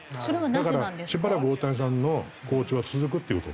だからしばらく大谷さんの好調は続くっていう事になります。